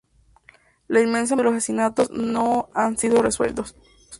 La inmensa mayoría de los asesinatos no han sido resueltos.